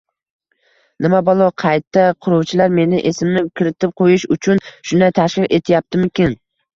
Nima balo, qayta quruvchilar meni esimni kiritib qo‘yish uchun shunday tashkil etyaptimikin?